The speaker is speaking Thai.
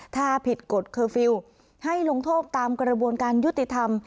ถ้าผิดกฎเคอร์ฟิลล์ให้ลงโทษตามกระบวนการยุติธรรม